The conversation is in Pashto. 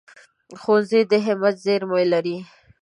ښوونځی د همت زېرمې لري